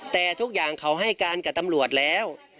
แต่ทุกอย่างเขาให้การกับตำรวจแล้ว